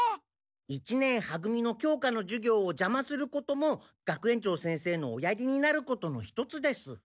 一年は組の教科のじゅ業をじゃますることも学園長先生のおやりになることの一つです。